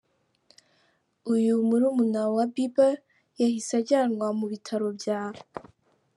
Uyu murumuna wa Bieber yahise ajyanwa mu bitaro bya.